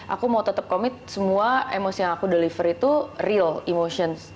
aku mau tetap komit semua emosi yang aku deliver itu real emotions